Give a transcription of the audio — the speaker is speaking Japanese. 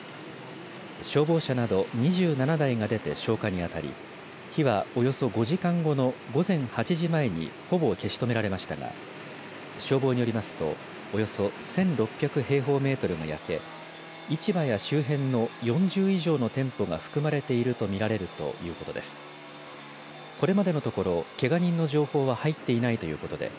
消防車など２７台が出て消火にあたり火は、およそ５時間後の午前８時前にほぼ消し止められましたが消防によりますとおよそ１６００平方メートルが焼け市場や周辺の４０以上の店舗が含まれているとみられているということです。